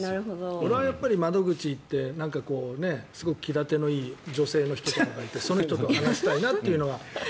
俺は窓口に行ってすごく気立てのいい女性の人とかがいてその人と話したいなというのがあるので。